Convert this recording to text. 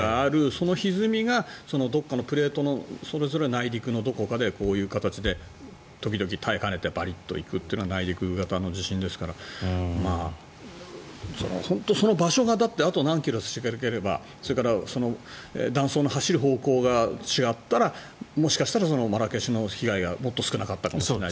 そのひずみがどこかのプレートのそれぞれ内陸のどこかでこういう形で時々耐えかねてパリッと行くのが内陸型の地震ですから本当にその場所があと何キロ違ったらそれから断層の走る方向が違ったらもしかしたらマラケシュの被害はもっと少なかったかもしれない。